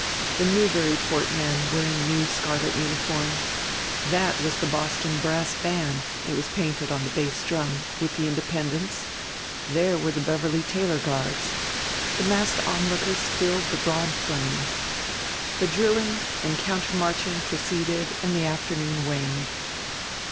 The Newburyport men were in a new scarlet uniform, that was the Boston Brass Band it was painted on the bass drum with the Independents; there were the Beverly Taylor Guards. The massed onlookers filled the broad plain. The drilling and countermarching proceeded and the afternoon waned.